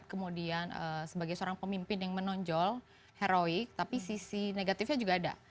kemudian sebagai seorang pemimpin yang menonjol heroik tapi sisi negatifnya juga ada